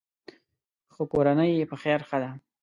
خو کورنۍ یې په خیر ښه ده.